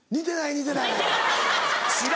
⁉似てないか。